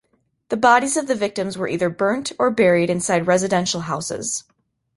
The bodies of the victims were either burnt or buried inside residential houses.